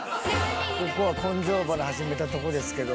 ここは「根性花」始めたとこですけど。